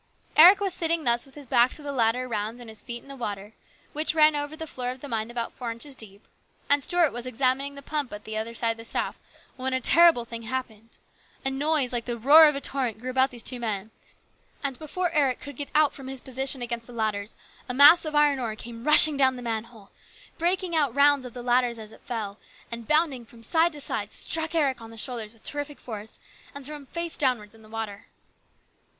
Eric was sitting thus with his back to the ladder rounds and his feet in the water, which ran over the floor of the mine about four inches deep, and Stuart was examining the pump at the other side of the shaft, when a terrible thing happened. A noise like the roar of a torrent grew about these two men, and before Eric could get out from his position against the ladders, a mass of iron ore came rushing down the manhole, breaking out rounds of the ladders as it fell, and, bounding from side to side, struck Eric on the shoulders with terrific force and threw him face downwards in the water.